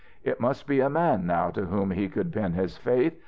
It must be a man now to whom he could pin his faith.